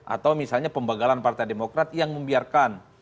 atau misalnya pembagalan partai demokrat yang membiarkan